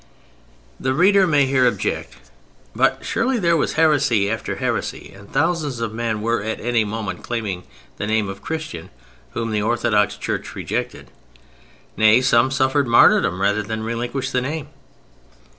The reader may here object: "But surely there was heresy after heresy and thousands of men were at any moment claiming the name of Christian whom the orthodox Church rejected. Nay, some suffered martyrdom rather than relinquish the name."